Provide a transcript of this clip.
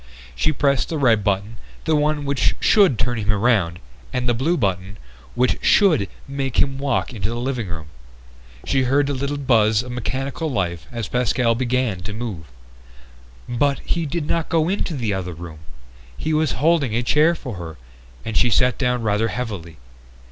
She pressed the red button, the one which should turn him around, and the blue button, which should make him walk into the living room. She heard the little buzz of mechanical life as Pascal began to move. But he did not go into the other room! He was holding a chair for her, and she sat down rather heavily.